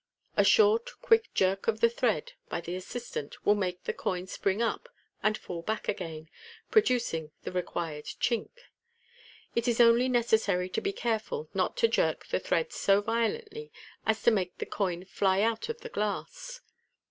A short, quick jerk of the thread by the assistant will make the coin spring up and fall back again, producing the required chink. It is only necessary to be care ful not to jerk the thread so violently as to make the coin fly out of the glass.